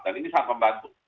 dan ini sangat membantu